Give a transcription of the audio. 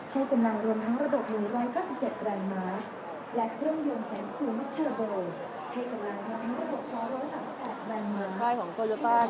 ให้กำลังรวมทั้งระบบ๑๙๗รันม้าและเครื่องยนต์แสงสูงเม็ดเทอร์โบ